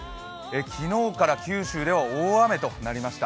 昨日から九州では大雨となりました。